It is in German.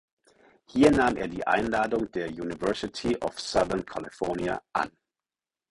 Hier nahm er die Einladung der University of Southern California an.